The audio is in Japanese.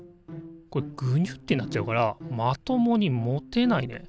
コレぐにゅってなっちゃうからまともに持てないね。